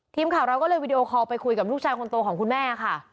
ทีมข่าวเราก็เลยวีดีโอคอลไปคุยกับลูกชายคนโตของคุณแม่ค่ะ